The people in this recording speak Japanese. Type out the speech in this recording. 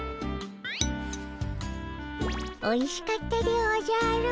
おいしかったでおじゃる。